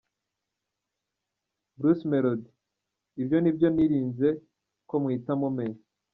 Bruce Melody: Ibyo ni byo nirinze ko muhita mumenya.